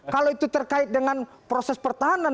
kalau itu terkait dengan proses pertahanan